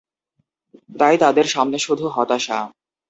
তাই তাদের সামনে শুধু হতাশা।